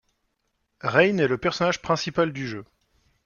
Rayne est le personnage principal du jeu.